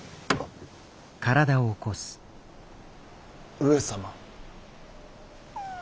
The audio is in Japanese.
上様？